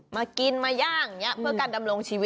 มากินมาย่างเพื่อการดำรงชีวิต